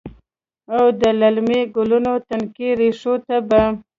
او د للمې ګلونو، تنکۍ ریښو ته به،